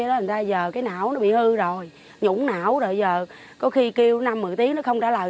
người ta giờ cái não nó bị hư rồi nhũng não rồi giờ có khi kêu năm mười tiếng nó không trả lời